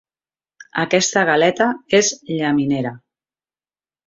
Aquesta galeta és llaminera.